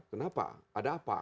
kenapa ada apa